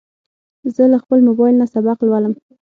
زه له خپل موبایل نه سبق لولم.